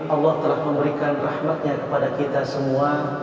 allah telah memberikan rahmatnya kepada kita semua